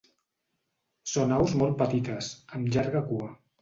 Són aus molt petites, amb llarga cua.